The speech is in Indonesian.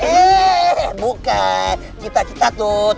eh bukan cita cita tut